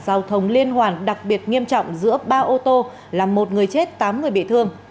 giao thông liên hoàn đặc biệt nghiêm trọng giữa ba ô tô làm một người chết tám người bị thương